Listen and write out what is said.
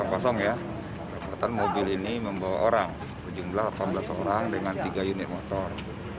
kedapatan mobil ini membawa orang berjumlah delapan belas orang dengan tiga unit motor